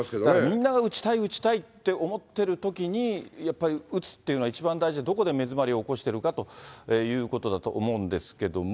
みんなが打ちたい打ちたいって思ってるときにやっぱり打つっていうのが一番大事で、どこで目詰まりを起こしてるかっていうことだと思うんですけれども。